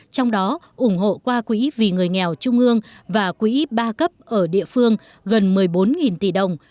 trong đó ủng hộ qua quỹ vì người nghèo trung ương và quỹ ba cấp ở địa phương gần một mươi bốn tỷ đồng